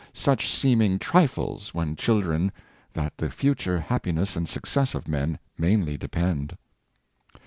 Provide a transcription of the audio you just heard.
587 such seeming trifles when children that the future hap piness and success of men mainly depend.